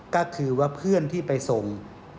ก็คือว่าเพื่อนที่ไปส่ง